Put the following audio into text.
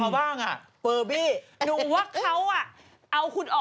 บ๊ายนายรู้ห้ะพี่มัน